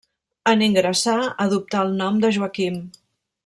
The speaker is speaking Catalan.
En ingressar, adoptà el nom de Joaquim.